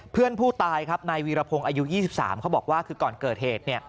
เพื่อนผู้ตายครับนายวีรพงศ์อายุ๒๓เขาบอกว่าคือก่อนเกิดเหตุ